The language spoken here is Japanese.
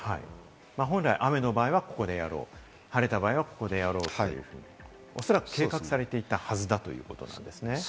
本来、雨な場合はここらでやろう、晴れた場合はここでやろうとおそらく計画されていたはずだということですね。